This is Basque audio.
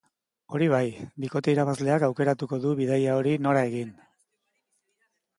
Hori bai, bikote irabazleak aukeratuko du bidaia hori nora egin.